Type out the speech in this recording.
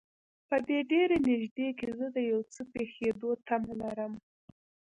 په دې ډېر نږدې کې زه د یو څه پېښېدو تمه لرم.